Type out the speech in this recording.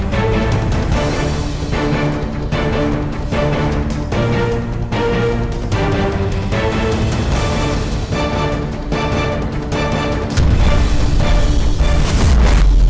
gue gak mau keluar